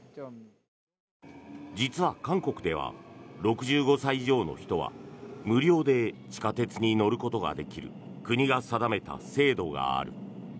実は、韓国では６５歳以上の人は無料で地下鉄に乗ることができる国が定めた制度がある。